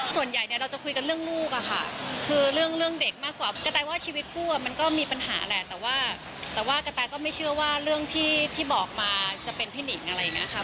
ส่วนใหญ่เนี่ยเราจะคุยกันเรื่องลูกอะค่ะคือเรื่องเด็กมากกว่ากระแตว่าชีวิตคู่มันก็มีปัญหาแหละแต่ว่าแต่ว่ากระแตก็ไม่เชื่อว่าเรื่องที่บอกมาจะเป็นพี่หนิงอะไรอย่างนี้ค่ะ